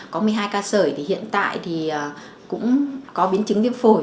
có một mươi hai ca sởi hiện tại cũng có biến chứng viêm phổi